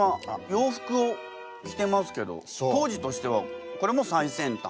洋服を着てますけど当時としてはこれも最先端？